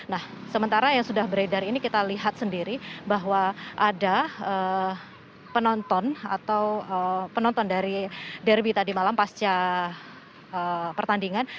nah sementara yang sudah beredar ini kita lihat sendiri bahwa ada penonton atau penonton dari derby tadi malam pasca pertandingan